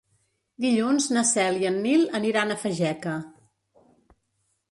Dilluns na Cel i en Nil aniran a Fageca.